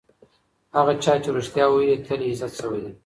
هغه چا چې رښتیا ویلي، تل یې عزت شوی دی.